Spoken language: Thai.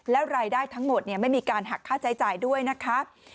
แล้วรายได้ทั้งหมดไม่มีการหักค่าใช้จ่ายด้วยนะคะ